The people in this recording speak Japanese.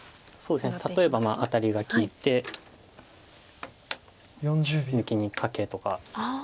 例えばアタリが利いて抜きにカケとか。